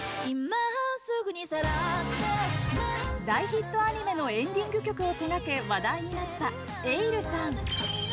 大ヒットアニメのエンディング曲を手がけ話題になったｅｉｌｌさん。